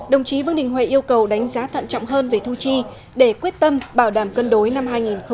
đồng chí vương đình huệ yêu cầu đánh giá thận trọng hơn về thu chi để quyết tâm bảo đảm cân đối năm hai nghìn hai mươi